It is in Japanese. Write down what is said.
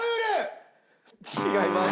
違います。